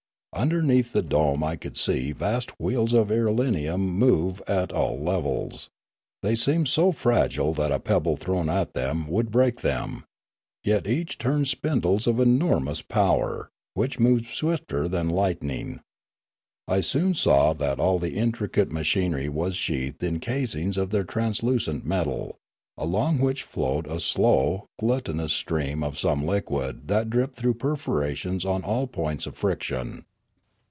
Underneath the dome I could see vast wheels of irelium move at all levels; they seemed so fragile that a pebble thrown at them would break them; yet each turned spindles of enormous power, which moved swifter than lightning. I soon saw that all the intricate machinery was sheathed in casings of their translucent metal, along which flowed a slow, glutinous stream of some liquid that dripped through perforations on all points of friction.